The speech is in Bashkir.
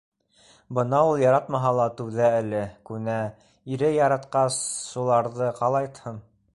Бына ул яратмаһа ла, түҙә әле, күнә, ире яратҡас шуларҙы, ҡалайтһын?